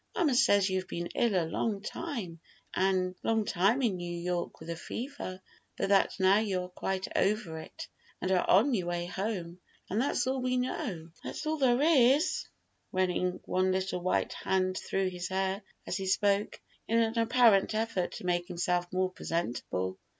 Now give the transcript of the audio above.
Mamma says you have been ill a long time in New York with a fever, but that now you are quite over it and are on your way home; and that's all we know." "That's all there is," running one little white hand through his hair as he spoke, in an apparent effort to make himself more presentable.